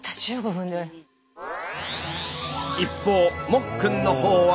一方もっくんのほうは。